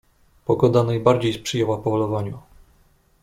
"Pogoda najbardziej sprzyjała polowaniu."